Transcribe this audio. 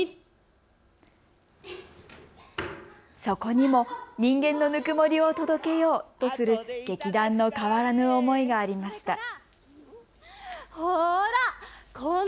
そこにも、人間のぬくもりを届けようとする劇団の変わらぬ思いがありました。